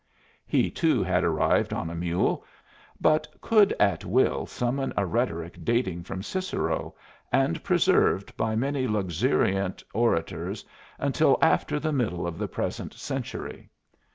He, too, had arrived on a mule, but could at will summon a rhetoric dating from Cicero, and preserved by many luxuriant orators until after the middle of the present century.